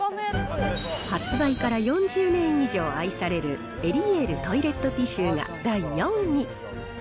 発売から４０年以上愛されるエリエールトイレットティシューが第４位。